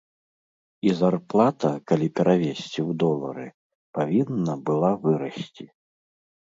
І зарплата, калі перавесці ў долары, павінна была вырасці.